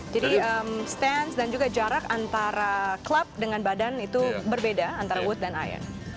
jadi stance dan juga jarak antara club dengan badan itu berbeda antara wood dan iron